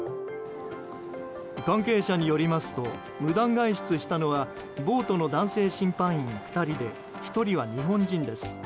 関係者によりますと無断外出したのはボートの男性審判員２人で１人は日本人です。